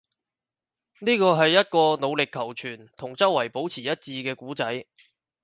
呢個係一個努力求存，同周圍保持一致嘅故仔